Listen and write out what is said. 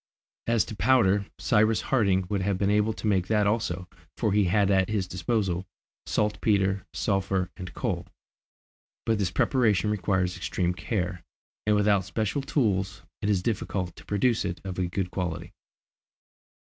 As to powder, Cyrus Harding would have been able to make that also, for he had at his disposal saltpetre, sulphur, and coal; but this preparation requires extreme care, and without special tools it is difficult to produce it of a good quality.